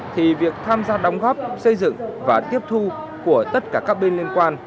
thì việc tham gia đóng góp xây dựng và tiếp thu của tất cả các bên liên quan